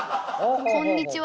「こんにちは」